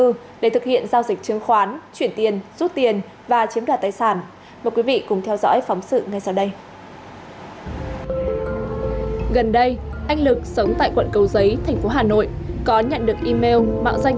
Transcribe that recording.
sau đó thực hiện giao dịch trương khoán chuyển tiền rút tiền và chiếm đoạt tài sản của khách hàng